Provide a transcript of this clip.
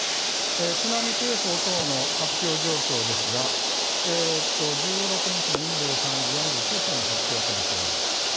津波警報等の発表状況ですが１６日の２３時４９分発表となっています。